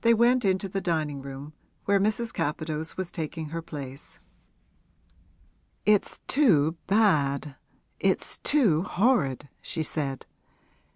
They went into the dining room, where Mrs. Capadose was taking her place. 'It's too bad, it's too horrid!' she said.